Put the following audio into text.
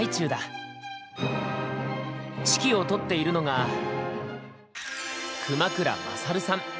指揮をとっているのが熊倉優さん。